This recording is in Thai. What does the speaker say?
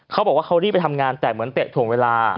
เขาบอกว่าเขารีบไปทำงานแต่เหมือนเตะถ่วงเวลา